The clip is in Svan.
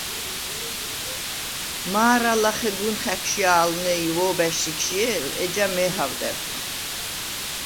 მა̄რა ლახე გუნ ხა̈ქშჲა̄ლვნე ი ვო̄ბა̈შს იქშჲე̄ლ, ეჯა მეჰა̄ვდა̈რ ლი.